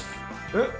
えっ！